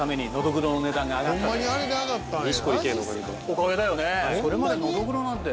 おかげだよね。